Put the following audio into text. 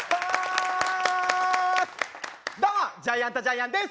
どうもジャイアントジャイアンです！